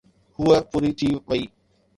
هوءَ پوري ٿي وئي.